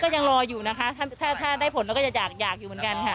ยังรออยู่นะคะถ้าได้ผลเราก็จะอยากอยู่เหมือนกันค่ะ